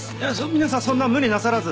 皆さんそんな無理なさらず。